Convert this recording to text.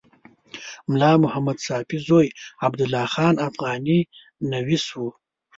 ملا محمد ساپي زوی عبدالله خان افغاني نویس و.